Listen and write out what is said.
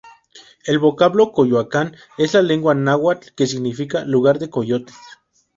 El vocablo Coyoacán, en la lengua náhuatl, significa lugar de coyotes.